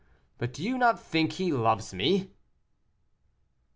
But do you not think he loves me?"